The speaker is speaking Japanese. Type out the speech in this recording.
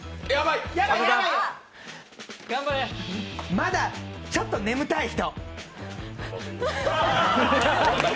まだちょっと眠たい人。